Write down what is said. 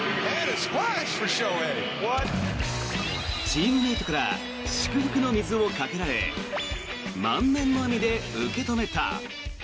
チームメートから祝福の水をかけられ満面の笑みで受け止めた。